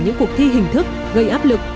những cuộc thi hình thức gây áp lực